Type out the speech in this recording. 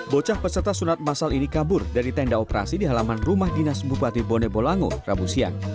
bocah peserta sunat masal ini kabur dari tenda operasi di halaman rumah dinas bupati bone bolango rabu siang